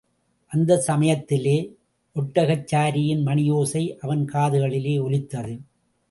அந்தச் சமயத்திலே ஒட்டகச் சாரியின் மணியோசை அவன் காதுகளிலே ஒலித்தது.